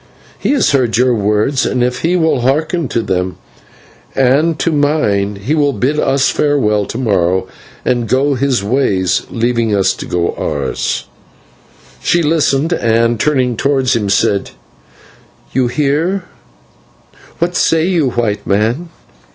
He has heard your words, and if he will hearken to them and to mine, he will bid us farewell to morrow, and go his ways, leaving us to go ours." She listened, and, turning towards him, said, "You hear. What say you, White Man?"